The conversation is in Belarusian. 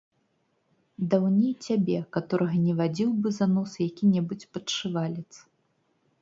Даўней цябе каторага не вадзіў бы за нос які-небудзь падшывалец.